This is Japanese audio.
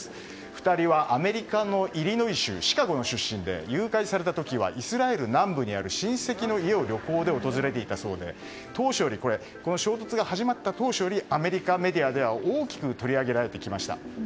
２人はアメリカのイリノイ州シカゴ出身で誘拐された時はイスラエル南部にある親戚の家を旅行で訪れていたそうでこの衝突が始まった当初よりアメリカメディアでは大きく取り上げられてきました。